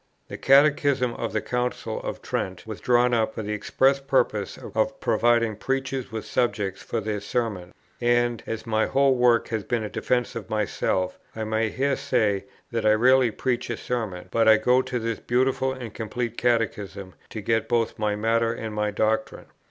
The Catechism of the Council of Trent was drawn up for the express purpose of providing preachers with subjects for their Sermons; and, as my whole work has been a defence of myself, I may here say that I rarely preach a Sermon, but I go to this beautiful and complete Catechism to get both my matter and my doctrine.